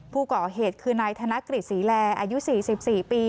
ผู้ก่อเหตุคือนายธนกฤษศรีแลอายุ๔๔ปี